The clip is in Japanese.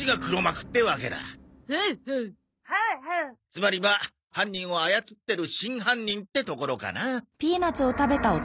つまりは犯人を操ってる真犯人ってところかな。